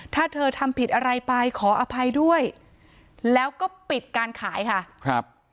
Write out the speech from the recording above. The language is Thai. ถ้าเธอทำผิดอะไรไปขออภัยด้วยแล้วก็ปิดการขายค่ะครับ